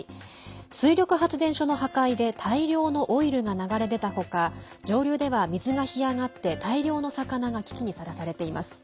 水力発電所の破壊で大量のオイルが流れ出た他上流では水が干上がって大量の魚が危機にさらされています。